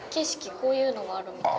こういうのがあるみたいで。